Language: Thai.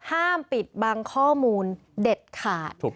ห้ามปิดบังข้อมูลเด็ดขาด